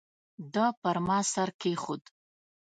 ده پر ما سر کېښود.